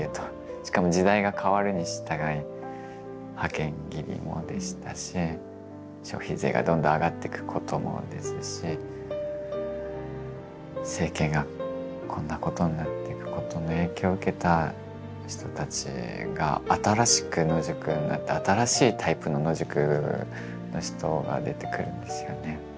しかも時代が変わるにしたがい派遣切りもでしたし消費税がどんどん上がっていくこともですし政権がこんなことになっていくことの影響を受けた人たちが新しく野宿になって新しいタイプの野宿の人が出てくるんですよね。